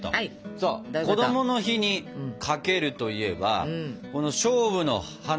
そうこどもの日に「かける」といえばこの「菖蒲」の花。